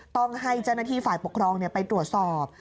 ต้องให้เจ้าหน้าที่ฝ่ายปกครองไปตรวจสอบ